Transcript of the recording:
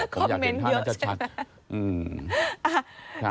คอมเมนต์เยอะใช่ไหม